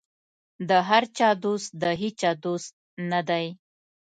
د هر چا دوست د هېچا دوست نه دی.